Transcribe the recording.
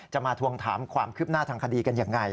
มาทวงถามความคืบหน้าทางคดีกันยังไง